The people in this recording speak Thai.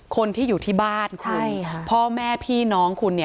คนที่อยู่ที่บ้านคุณพ่อแม่พี่น้องคุณ